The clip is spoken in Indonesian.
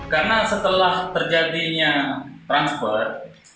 karena setelah terjadinya transfer